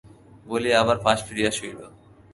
বলিয়া আবার পাশ ফিরিয়া শুইল।